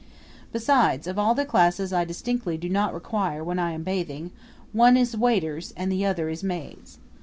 Besides, of all the classes I distinctly do not require when I am bathing, one is waiters and the other is maids.